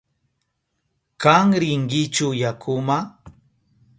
¿Kan rinkichu yakuma?